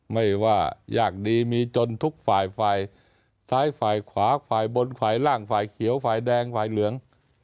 ไม่ว่ายากดีมีจนทุกฝ่ายฝ่ายซ้ายฝ่ายขวาฝ่ายบนฝ่ายล่างฝ่ายเขียวฝ่ายแดงฝ่ายเหลือง